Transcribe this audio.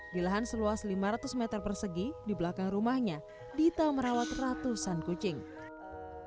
di lahan seluas lima ratus meter persegi di belakang rumahnya dita merangkulkan kucing kucing yang terletak di parung bogor